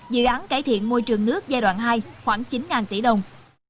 dự án cải thiện môi trường nước giai đoạn hai khoảng chín tỷ đồng